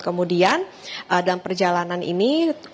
kemudian dalam perjalanan ini